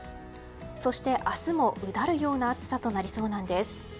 そして、明日もうだるような暑さとなりそうなんです。